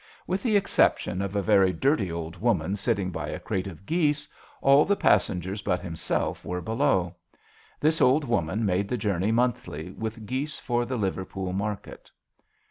With the exception 4O JOHN SHERMAN. of a very dirty old woman sitting by a crate of geese, all the pas sengers but himself were below. This old woman made the journey monthly with geese for the Liverpool market.